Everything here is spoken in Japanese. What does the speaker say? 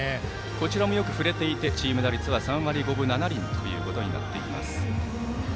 こちらもよく振れていてチーム打率は３割５分７厘となっています。